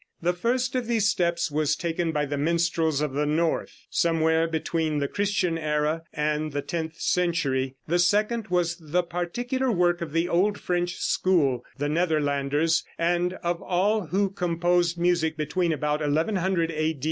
The first of these steps was taken by the minstrels of the north, somewhere between the Christian era and the tenth century. The second was the particular work of the old French school, the Netherlanders, and of all who composed music between about 1100 A.